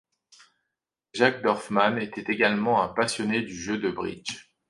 Jacques Dorfmann était également un passionné du jeu de bridge.